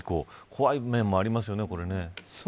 怖い面もありますよね。